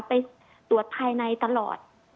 ไปตรวจภายในตลอด